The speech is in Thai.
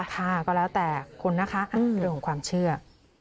ก็แล้วแต่คุณนะคะเรื่องของความเชื่อ